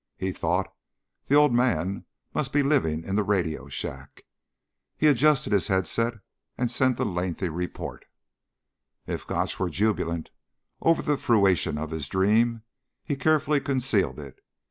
He thought: The Old Man must be living in the radio shack. He adjusted his headset and sent a lengthy report. If Gotch were jubilant over the fruition of his dream, he carefully concealed it.